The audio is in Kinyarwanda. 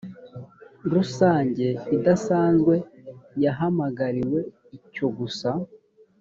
rusange idasanzwe yahamagariwe icyo gusa